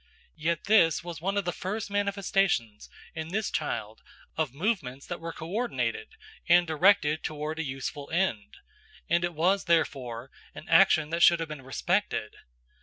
Yet this was one of the first manifestations, in this child, of movements that were co ordinated and directed toward a useful end, and it was therefore an action that should have been respected.